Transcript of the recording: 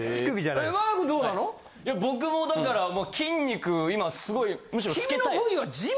いや僕もだから筋肉今すごいむしろ付けたい。